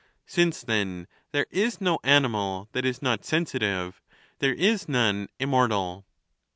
Since, then, there is no animal that is not sen sitivfe, there is none immortal.